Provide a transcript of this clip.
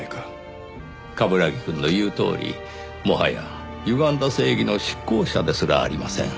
冠城くんの言うとおりもはや歪んだ正義の執行者ですらありません。